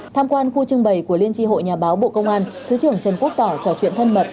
tham quan khu trưng bày của liên tri hội nhà báo bộ công an thứ trưởng trần quốc tỏ trò chuyện thân mật